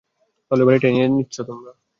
তাহলে, বাড়িটা নিয়ে নিচ্ছি আমরা?